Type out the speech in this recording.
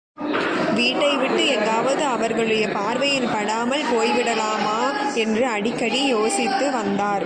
வீட்டை விட்டு எங்காவது அவர்களுடைய பார்வையில் படாமல் போய்விடலாமா என்று அடிக்கடி யோசித்து வந்தார்.